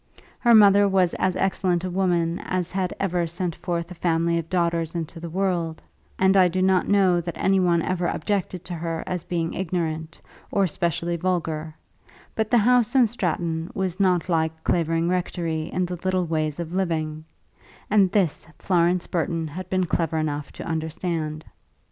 Her mother was as excellent a woman as had ever sent forth a family of daughters into the world, and I do not know that any one ever objected to her as being ignorant, or specially vulgar; but the house in Stratton was not like Clavering Rectory in the little ways of living, and this Florence Burton had been clever enough to understand.